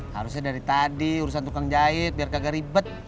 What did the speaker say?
harusnya dari tadi urusan tukang jahit biar kagak ribet